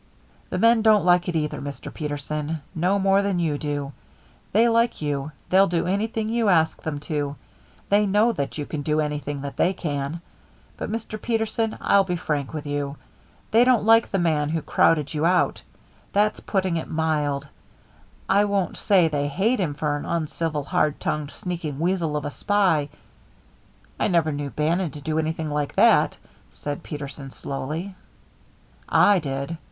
"The men don't like it either, Mr. Peterson. No more than you do. They like you. They'll do anything you ask them to. They know that you can do anything that they can. But, Mr. Peterson, I'll be frank with you. They don't like the man who crowded you out. That's putting it mild. I won't say they hate him for an uncivil, hard tongued, sneaking weasel of a spy " "I never knew Bannon to do anything like that," said Peterson, slowly. "I did.